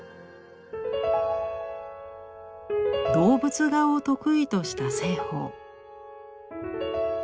動物画を得意とした栖鳳。